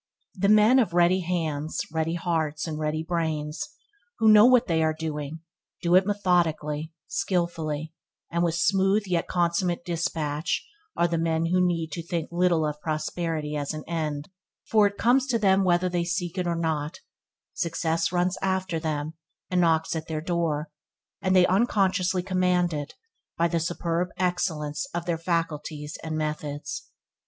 The men of ready hands, ready hearts, and ready brains, who know what they are doing, and do it methodically, skillfully, and with smooth yet consummate despatch are the men who need to think little of prosperity as an end, for it comes to them whether they seek it or not; success runs after them, and knocks at their door; and they unconsciously command it by the superb excellence of their faculties and methods.